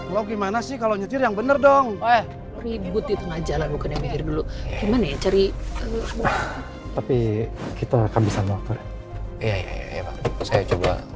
lu mau nantangin gue juga